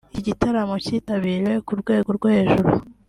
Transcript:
Iki gitaramo cyitabiriwe ku rwego rwo hejuru